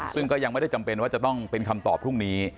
ซึ่งก็ยังไม่ได้จำเป็นว่าจะต้องเป็นคำตอบพรุ่งนี้